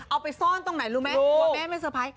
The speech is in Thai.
เอาไปซ่อนตรงไหนรู้ไหมบอกแม่ไม่สะพาย